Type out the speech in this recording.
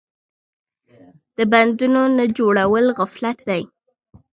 د بندونو نه جوړول غفلت دی.